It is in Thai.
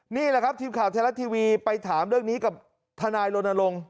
นี่แหละครับทีมข่าวไทยรัฐทีวีไปถามเรื่องนี้กับทนายรณรงค์